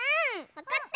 わかった！